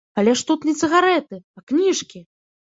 Але ж тут не цыгарэты, а кніжкі!